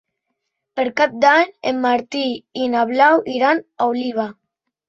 Per Cap d'Any en Martí i na Blau iran a Oliva.